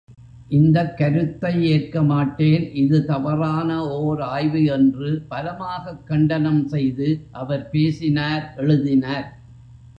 இந்தக் கருத்தை ஏற்கமாட்டேன் இது தவறான ஓர் ஆய்வு என்று பலமாகக் கண்டனம் செய்து அவர் பேசினார் எழுதினார்!